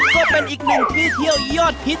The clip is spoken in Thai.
ก็เป็นอีกหนึ่งที่เที่ยวยอดฮิต